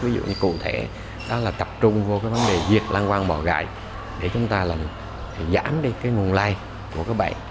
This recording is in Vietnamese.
ví dụ như cụ thể đó là tập trung vô cái vấn đề diệt lăng quăng bỏ gậy để chúng ta giảm đi cái nguồn lai của cái bệnh